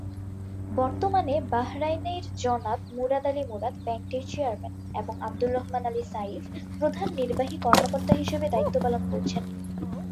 বর্তমানে বাহরাইনের জনাব মুরাদ আলী মুরাদ ব্যাংকটির চেয়ারম্যান এবং আব্দুর রহমান আলী সাইফ প্রধান নির্বাহী কর্মকর্তা হিসেবে দায়িত্ব পালন করছেন।